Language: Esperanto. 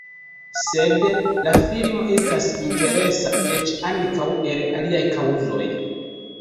Sed la filmo estas interesa eĉ ankaŭ el aliaj kaŭzoj.